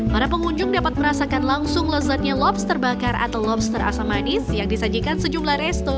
para pengunjung dapat merasakan langsung lezatnya lobster bakar atau lobster asam manis yang disajikan sejumlah resto